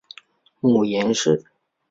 母颜氏。